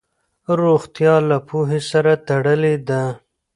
روغتیا له پوهې سره تړلې ده.